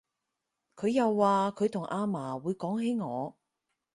佢又話佢同阿嫲會講起我